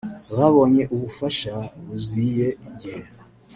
babonye ubufasha buziye igihe